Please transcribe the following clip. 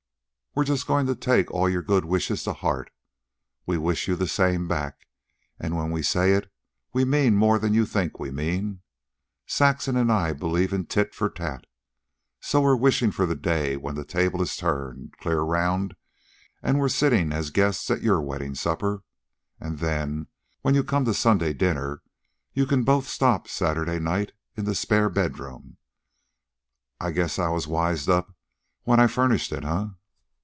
We're just goin' to take all your good wishes to heart, we wish you the same back, and when we say it we mean more than you think we mean. Saxon an' I believe in tit for tat. So we're wishin' for the day when the table is turned clear around an' we're sittin' as guests at your weddin' supper. And then, when you come to Sunday dinner, you can both stop Saturday night in the spare bedroom. I guess I was wised up when I furnished it, eh?"